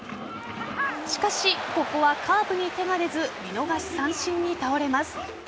しかし、ここはカーブに手が出ず見逃し三振に倒れます。